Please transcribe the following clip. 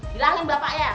bilangin bapak ya